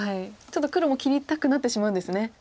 ちょっと黒も切りたくなってしまうんですね。